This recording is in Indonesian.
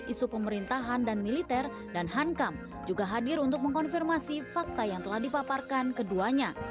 isu pemerintahan dan militer dan hankam juga hadir untuk mengkonfirmasi fakta yang telah dipaparkan keduanya